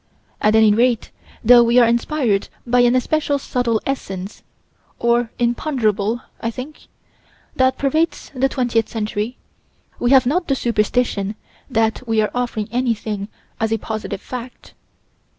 At any rate, though we are inspired by an especial subtle essence or imponderable, I think that pervades the twentieth century, we have not the superstition that we are offering anything as a positive fact.